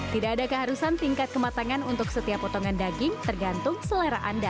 tidak ada keharusan tingkat kematangan untuk setiap potongan daging tergantung selera anda